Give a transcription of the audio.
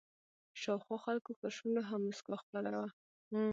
شاوخوا خلکو پر شونډو هم مسکا خپره وه.